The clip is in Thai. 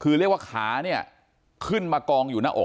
คือเรียกว่าขาเนี่ยขึ้นมากองอยู่หน้าอก